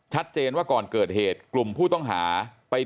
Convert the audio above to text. จังหวัดสุราชธานี